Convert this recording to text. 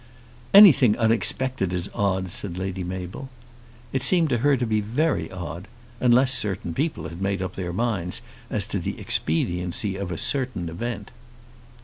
"Anything unexpected is odd," said Lady Mabel. It seemed to her to be very odd, unless certain people had made up their minds as to the expediency of a certain event.